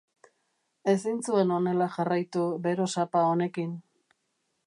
Ezin zuen honela jarraitu, bero-sapa honekin.